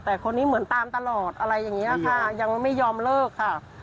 แต่คนนี้เหมือนตามตลอดอะไรอย่างนี้ค่ะยังไม่ยอมเลิกค่ะ